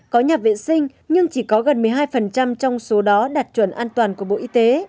có nhà vệ sinh nhưng chỉ có gần một mươi hai trong số đó đạt chuẩn an toàn của bộ y tế